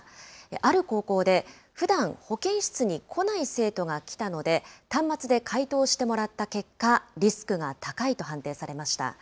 ある高校で、ふだん保健室に来ない生徒が来たので、端末で回答してもらった結果、リスクが高いと判定されました。